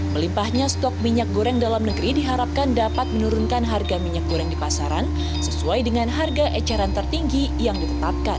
melimpahnya stok minyak goreng dalam negeri diharapkan dapat menurunkan harga minyak goreng di pasaran sesuai dengan harga eceran tertinggi yang ditetapkan